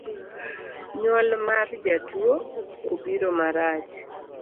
Nyuol mar jatuo obiro marach